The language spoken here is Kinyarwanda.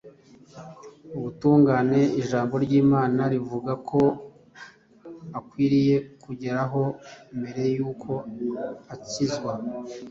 Ubutungane ijambo ry’Imana rivuga ko akwiriye kugeraho mbere y’uko akizwa,